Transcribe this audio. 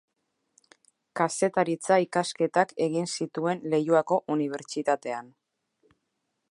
Kazetaritza ikasketak egin zituen Leioako Unibertsitatean.